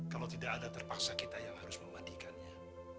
kalau tidak ada terpaksa kita yang harus memandikannya